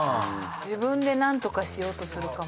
自分で何とかしようとするかも。